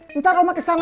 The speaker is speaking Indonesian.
lutar oma kesana